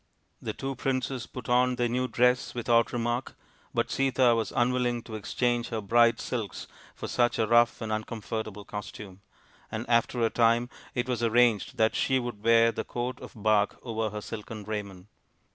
The two princes put on their new dress without remark, but Sita was un willing to exchange her bright silks for such a rough and uncomfortable costume ; and after a time it was arranged that she should wear the coat of hark over her silken raiment.